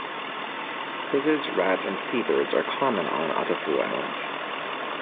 Lizards, rats, and seabirds are common on Atafu island.